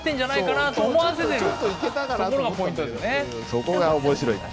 そこが面白いんだ。